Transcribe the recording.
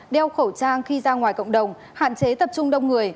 đeo khẩu trang khi ra ngoài cộng đồng hạn chế tập trung đông người